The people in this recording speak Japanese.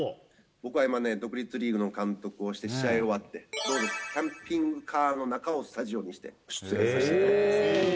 僕は今ね、独立リーグの監督をして試合終わって、キャンピングカーの中をスタジオにして、出演させていただきます。